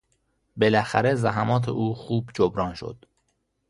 بالاخره زحمات او خوب جبران شد.